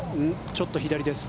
ちょっと左です。